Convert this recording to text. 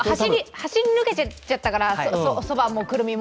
走り抜けていっちゃったから、そばも、くるみも。